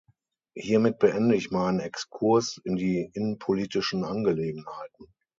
Hiermit beende ich meinen Exkurs in die innenpolitischen Angelegenheiten.